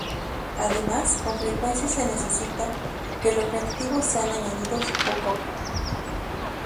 Además, con frecuencia se necesita que los reactivos sean añadidos poco a poco.